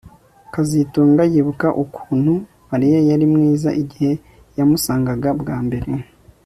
kazitunga yibuka ukuntu Mariya yari mwiza igihe yamusangaga bwa mbere